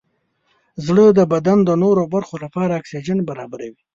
زړه د بدن د نورو برخو لپاره اکسیجن برابروي.